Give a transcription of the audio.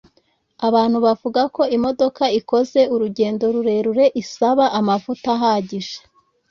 Abantu bavuga ko imodoka ikoze urugendo rurerure isaba amavuta ahagije